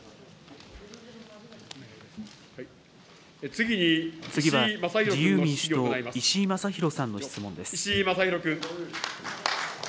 次は自由民主党、石井正弘さんの質問です。